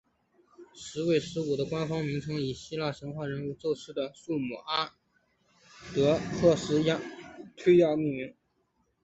木卫十五的官方名称以希腊神话人物宙斯的养母阿德剌斯忒亚命名。